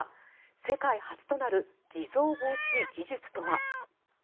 世界初となる偽造防止技術とは。